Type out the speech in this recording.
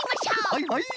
はいはい。